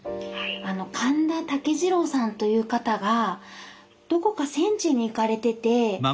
カンダタケジロウさんという方がどこか戦地に行かれてて。